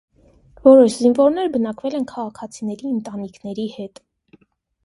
Որոշ զիվորներ բնակվել են քաղաքացիների ընտանիքների հետ։